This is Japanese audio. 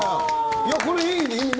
いや、これ、いいね。